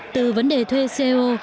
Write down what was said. từ vấn đề thuê ceo